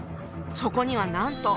そこにはなんと！